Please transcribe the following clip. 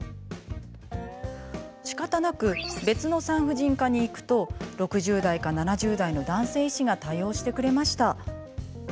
しかたなく別の産婦人科に行くと６０代か７０代の男性医師が対応してくれました。